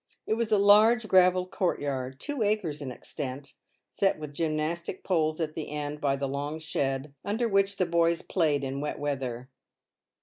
It was a large gravelled court yard, two acres in extent, set with gym nastic poles at the end by the long shed, under which the boys played in wet weather.